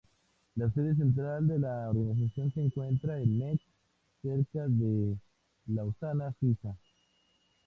La sede central de la organización se encuentra en Mex, cerca de Lausana, Suiza.